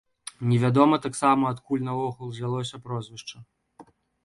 Невядома таксама, адкуль наогул узялося прозвішча.